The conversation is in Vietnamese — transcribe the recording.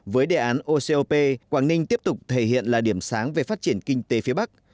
với đề án ocop quảng ninh tiếp tục thể hiện là điểm sáng về phát triển kinh tế phía bắc